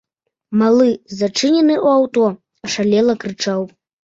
Малы, зачынены ў аўто, ашалела крычаў.